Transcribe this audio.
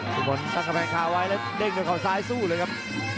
ทุกคนตั้งกำแพงคาไว้แล้วเด้งด้วยเขาซ้ายสู้เลยครับ